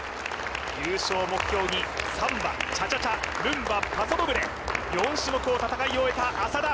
優勝を目標にサンバチャチャチャルンバパソドブレ４種目を戦い終えた浅田